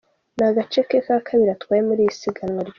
Ni agace ke ka kabiri atwaye muri iri siganwa ryose.